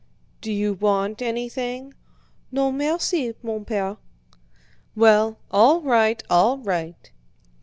"Do you want anything?" "No, merci, mon père." "Well, all right, all right."